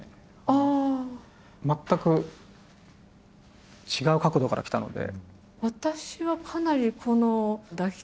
全く違う角度から来たので。